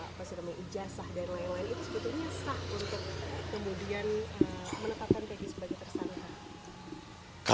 itu sebetulnya sah untuk kemudian menetapkan peggy sebagai tersangka